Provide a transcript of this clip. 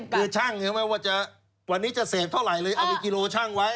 คือช่างไม่ว่าจะวันนี้จะเสพเท่าไหร่เลยเอาไปกิโลชั่งไว้